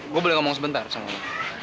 gue boleh ngomong sebentar sama kamu